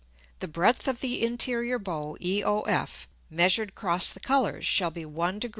The Breadth of the interior Bow EOF measured cross the Colours shall be 1 Degr.